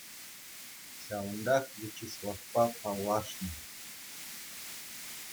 Ҫавӑнтах Вячеславпа паллашнӑ.